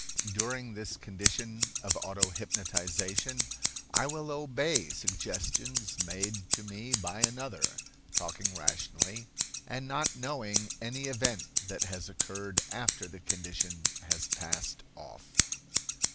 During this condition of auto hypnotization I will obey suggestions made to me by another, talking rationally, and not knowing any event that has occurred after the condition has passed off."